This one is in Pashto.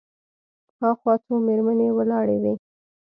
هاخوا څو مېرمنې ولاړې وې.